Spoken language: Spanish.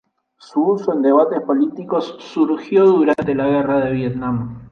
Su uso en debates políticos, surgió durante la Guerra de Vietnam.